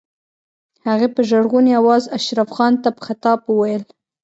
هغې په ژړغوني آواز اشرف خان ته په خطاب وويل.